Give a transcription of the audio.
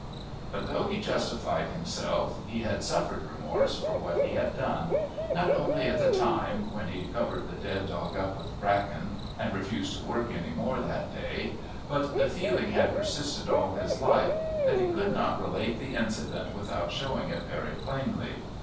But though he justified himself he had suffered remorse for what he had done; not only at the time, when he covered the dead dog up with bracken and refused to work any more that day, but the feeling had persisted all his life, and he could not relate the incident without showing it very plainly.